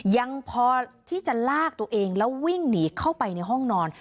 ยังพอที่จะลากตัวเองแล้ววิ่งหนีเข้าไปในห้องนอน